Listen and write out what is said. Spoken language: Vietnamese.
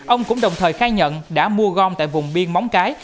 ông cũng đồng thời khai nhận đã mua gom tại vùng biên móng cái